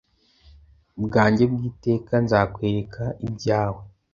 bwanjye bwiteka nzakwereka ibyawe